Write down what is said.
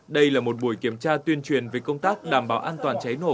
đây là một buổi kiểm tra tuyên truyền về công tác đảm bảo an toàn cháy nổ